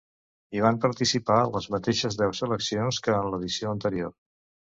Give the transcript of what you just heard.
Hi van participar les mateixes deu seleccions que en l'edició anterior.